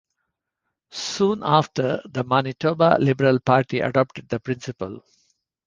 Soon after, the Manitoba Liberal Party adopted the principle.